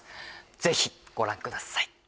ぜひご覧ください